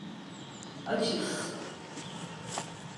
Açız.